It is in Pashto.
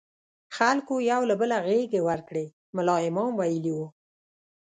خلکو یو له بله غېږې ورکړې، ملا امام ویلي وو.